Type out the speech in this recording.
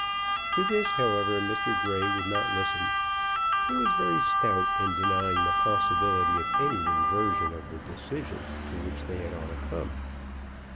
To this, however, Mr. Grey would not listen. He was very stout in denying the possibility of any reversion of the decision to which they had all come.